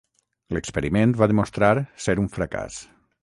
L'experiment va demostrar ser un fracàs.